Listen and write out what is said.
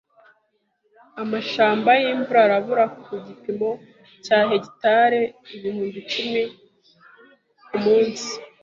Amashyamba yimvura arabura ku gipimo cya hegitari ibihumbi icumi kumunsi